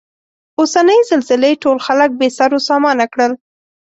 اوسنۍ زلزلې ټول خلک بې سرو سامانه کړل.